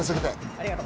ありがとう。